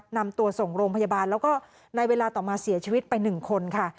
นำตัวส่งโรงพยาบาลแล้วก็ในเวลาต่อมาเสียชีวิตไป๑คนค่ะ